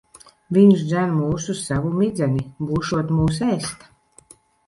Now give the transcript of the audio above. Viņš dzen mūs uz savu midzeni. Būšot mūs ēst.